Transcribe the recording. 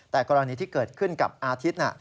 แต่กรณีที่เกิดขึ้นกับอาทิตย์